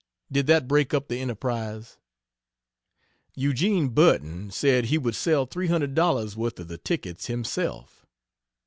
Did that break up the enterprise? Eugene Burton said he would sell $300 worth of the tickets himself.